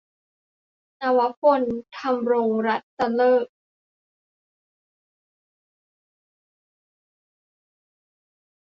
นวพล ธำรงรัตนฤทธิ์